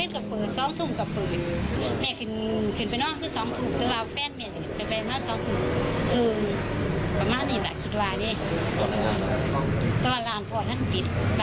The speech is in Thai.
ขอแทนผิด